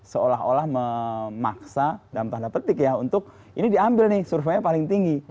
seolah olah memaksa dalam tanda petik ya untuk ini diambil nih surveinya paling tinggi